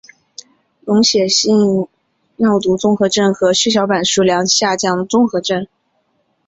溶血性尿毒综合征和血小板数量下降综合征。